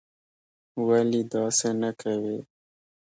ولي داسې نه کوې?